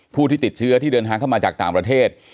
ผู้ที่ติดเชื้อที่เดินทางเข้ามาจากต่างประเทศ